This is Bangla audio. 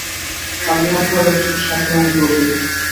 আমি আপনার একজন সাধারণ রোগী।